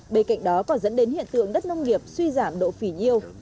bên cạnh đó còn dẫn đến hiện tượng đất nông nghiệp suy giảm độ phỉ nhiêu